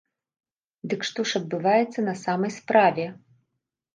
Дык што ж адбываецца на самай справе?